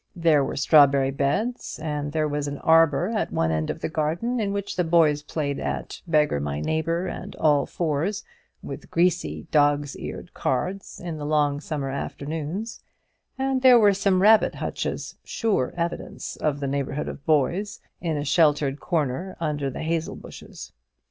There were strawberry beds, and there was an arbour at one end of the garden in which the boys played at "beggar my neighbour," and "all fours," with greasy, dog's eared cards in the long summer afternoons; and there were some rabbit hutches sure evidence of the neighbourhood of boys in a sheltered corner under the hazel bushes.